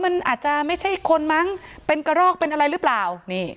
มันอาจจะไม่ใช่คนมั้งเป็นกระรอกเป็นอะไรหรือเปล่า